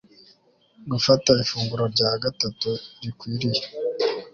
gufata ifunguro rya gatatu rikwiriye